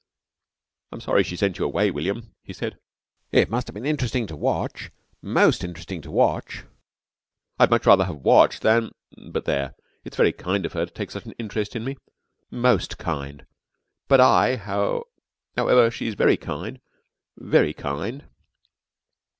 "I'm sorry she sent you away, William," he said. "It must have been interesting to watch most interesting to watch. I'd much rather have watched than but there, it's very kind of her to take such an interest in me. Most kind. But I however, she's very kind, very kind.